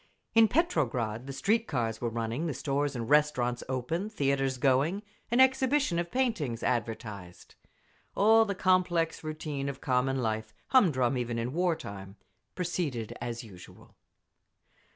In Petrograd the street cars were running, the stores and restaurants open, theatres going, an exhibition of paintings advertised…. All the complex routine of common life—humdrum even in war time—proceeded as usual.